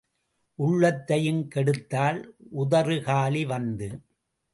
உள்ளதையும் கெடுத்தாள், உதறு காலி வந்து.